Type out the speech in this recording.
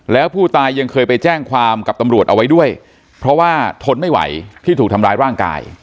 แล้วผู้ตายยังเคยไปแจ้งความกับตำรวจเอาไว้ด้วยเพราะว่าทนไม่ไหวที่ถูกทำร้ายร่างกาย